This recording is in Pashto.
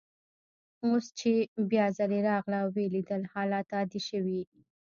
اوس چي بیا ځلې راغله او ویې لیدل، حالات عادي شوي.